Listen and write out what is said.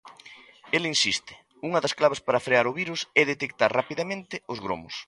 El insiste: unha das claves para frear o virus é detectar rapidamente os gromos.